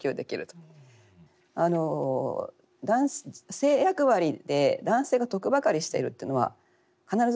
性役割で男性が得ばかりしているっていうのは必ずしもそうは言えない。